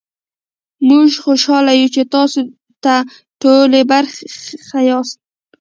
موژ خوشحاله يو چې تاسې ده ټولني برخه ياست